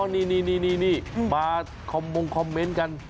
อ๋อนี่มามองคอมเมนต์กัน